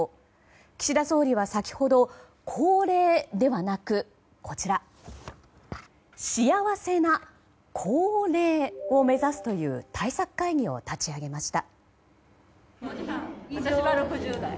岸田総理は先ほど、高齢ではなくこちら幸せな幸齢を目指すという対策会議を立ち上げました。